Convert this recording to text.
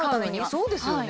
そうですよね。